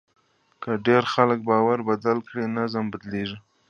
که ډېر خلک باور بدل کړي، نظم بدلېږي.